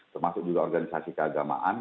termasuk juga organisasi keagamaan